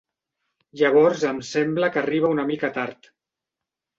Llavors em sembla que arriba una mica tard.